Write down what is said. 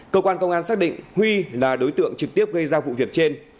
cơ quan công an xác định huy là đối tượng trực tiếp gây ra vụ việc trên